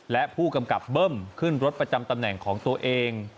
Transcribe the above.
และผู้กำกับเบิ้มขึ้นรถประจำตำแหน่งของตัวเอง